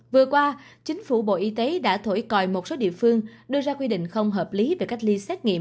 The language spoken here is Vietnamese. vừa qua chính phủ bộ y tế đã thổi còi một số địa phương đưa ra quy định không hợp lý về cách ly xét nghiệm